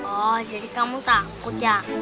oh jadi kamu takut ya